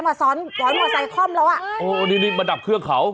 มาซ้อนหวานมอเตอร์ไซคล่อมแล้วอะโอ้นี่มาดับเครื่องเขา